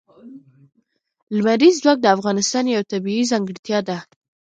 لمریز ځواک د افغانستان یوه طبیعي ځانګړتیا ده.